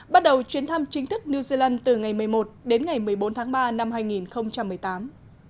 bắt đầu chuyến thăm chính thức new zealand từ ngày một mươi một đến ngày một mươi bốn tháng ba năm hai nghìn một mươi tám